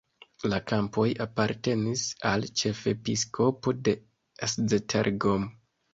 La kampoj apartenis al ĉefepiskopo de Esztergom.